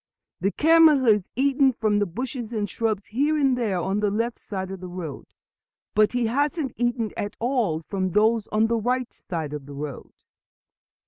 "The camel has eaten from the bushes and shrubs here and there on the left side of the road, but he hasn't eaten at all from those on the right side of the road."